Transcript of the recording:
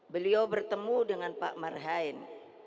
beliau bertemu dengan pak marhain